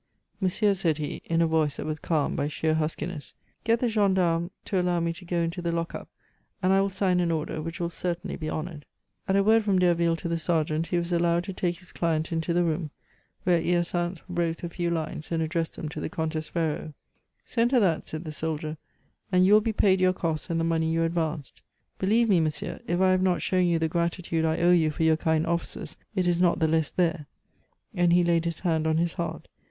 "Monsieur," said he, in a voice that was calm by sheer huskiness, "get the gendarmes to allow me to go into the lock up, and I will sign an order which will certainly be honored." At a word from Derville to the sergeant he was allowed to take his client into the room, where Hyacinthe wrote a few lines, and addressed them to the Comtesse Ferraud. "Send her that," said the soldier, "and you will be paid your costs and the money you advanced. Believe me, monsieur, if I have not shown you the gratitude I owe you for your kind offices, it is not the less there," and he laid his hand on his heart.